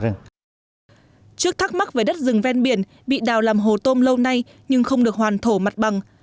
trước thắc mắc về đất rừng ven biển bị đào làm hồ tôm lâu nay nhưng không được hoàn thổ mặt bằng